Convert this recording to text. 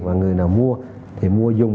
và người nào mua thì mua dùng